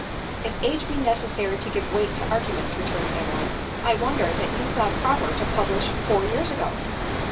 " If age be necessary to give weight to arguments," returned Adeline, " I wonder that you thought proper to publish four years ago."